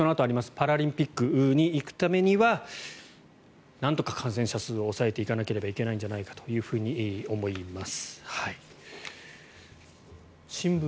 パラリンピックに行くためにはなんとか感染者数を抑えていかなければいけないんじゃないかと思います。